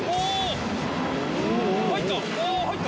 入った！